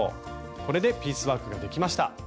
これでピースワークができました。